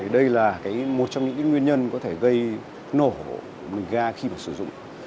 đây là một trong những nguyên nhân có thể gây nổ bình ga khi sử dụng